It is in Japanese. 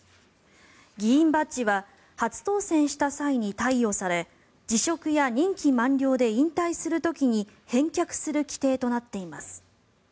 議員バッジは初当選した際に貸与され辞職や任期満了で引退する時に返却する規定となっています。